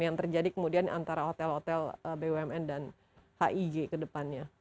yang terjadi kemudian antara hotel hotel bumn dan hig ke depannya